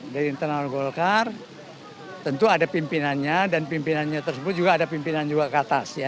dari internal golkar tentu ada pimpinannya dan pimpinannya tersebut juga ada pimpinan juga ke atas ya